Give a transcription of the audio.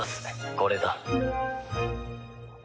これだ」